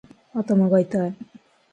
頭がいたい